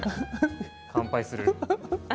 乾杯する？